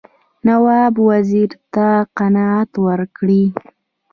نواب وزیر ته قناعت ورکړي.